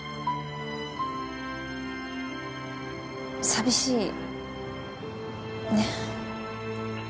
寂しいね。